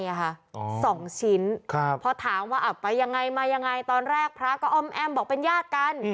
๒ชิ้นพอถามว่าไปยังไงมายังไงตอนแรกพระก็อ้อมแอ้มบอกเป็นญาติกัน